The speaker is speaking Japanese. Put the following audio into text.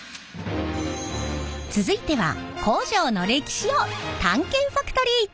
続いては工場の歴史を探検ファクトリー！